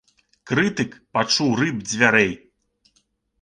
Крытык пачуў рып дзвярэй.